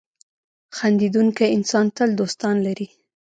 • خندېدونکی انسان تل دوستان لري.